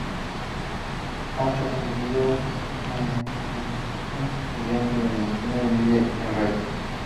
Ha trascendido que es estudiante de medicina y vive en Riad.